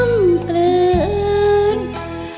ไม่ใช้ค่ะ